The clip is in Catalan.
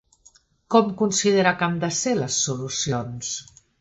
Com considera que han de ser les solucions?